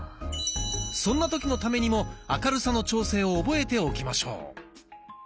そんな時のためにも明るさの調整を覚えておきましょう。